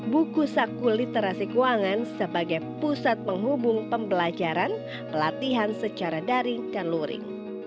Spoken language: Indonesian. buku saku literasi keuangan sebagai pusat penghubung pembelajaran pelatihan secara daring dan luring